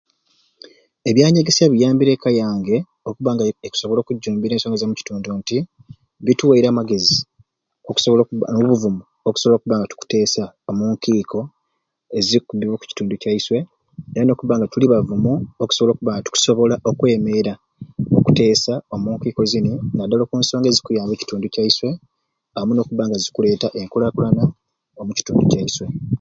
Ebyanyegesya biyambire eka yange okubba nga ekusobola okujumbira ensonga ezamukitundu nti bituwaire amagezi okusobola okubba n'obuvumu okusobola okubba nga tukuteesa omunkiiko ezikkubbibwa okukitundu kyaiswe era nokubba nga tuli bavumu okusobola okubba tukusobola okwemeera okuteesa omu nkiiko zini naddala okunsonga ezikuyamba ekitundu kyaiswe amwe n'okubba nga zikuleeta enkulaakulana omukitundu kyaiswe